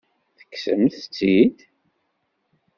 Tekksemt-t-id?